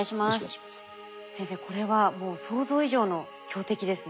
先生これはもう想像以上の強敵ですね。